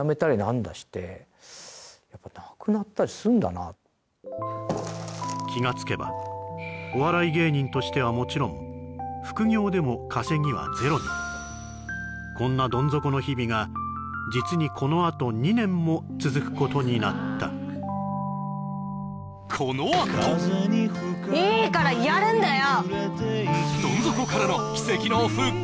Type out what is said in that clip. もう気がつけばお笑い芸人としてはもちろん副業でも稼ぎはゼロにこんなどん底の日々が実にこのあと２年も続くことになったいいからやるんだよ！